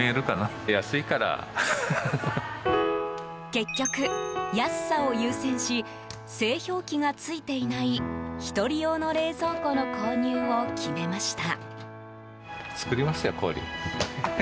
結局、安さを優先し製氷機がついていない１人用の冷蔵庫の購入を決めました。